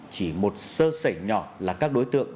chỉ một sơ sảy nhỏ là các đối tượng